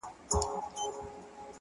پوهه د ناپوهۍ پردې لرې کوي.